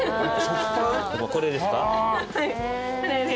これですか？